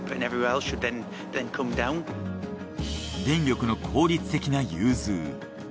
電力の効率的な融通。